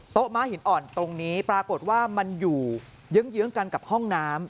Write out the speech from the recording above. ม้าหินอ่อนตรงนี้ปรากฏว่ามันอยู่เยื้องกันกับห้องน้ำ